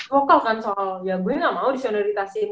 lokal kan soal ya gue gak mau disonoritasin